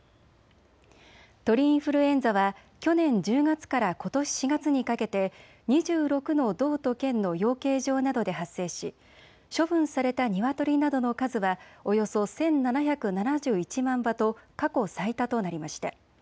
鳥インフルエンザは去年１０月からことし４月にかけて２６の道と県の養鶏場などで発生し処分されたニワトリなどの数はおよそ１７７１万羽と過去最多となりました。